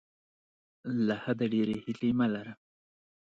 له حده ډیرې هیلې مه لره.